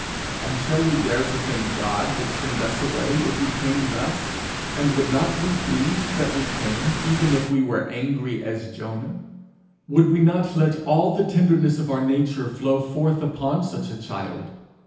And shall we dare to think God would send us away if we came thus, and would not be pleased that we came, even if we were angry as Jonah? Would we not let all the tenderness of our nature flow forth upon such a child?